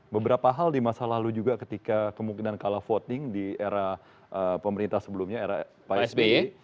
beberapa hal di masa lalu juga ketika kemungkinan kalah voting di era pemerintah sebelumnya era pak sby